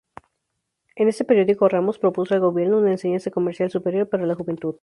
En este periódico Ramos propuso al Gobierno una enseñanza comercial superior para la juventud.